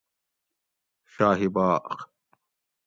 شاہی باغ